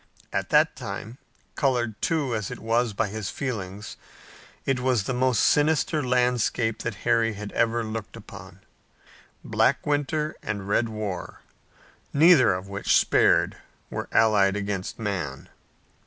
At that time, colored too, as it was by his feelings, it was the most sinister landscape that Harry had ever looked upon. Black winter and red war, neither of which spared, were allied against man.